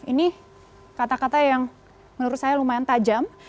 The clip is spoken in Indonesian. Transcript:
ini kata kata yang menurut saya lumayan tajam